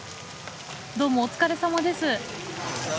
どうもお疲れさまです。